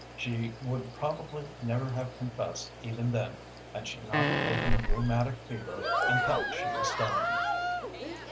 She would probably never have confessed even then, had she not taken rheumatic fever and thought she was dying.